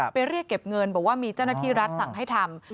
เรียกเก็บเงินบอกว่ามีเจ้าหน้าที่รัฐสั่งให้ทำ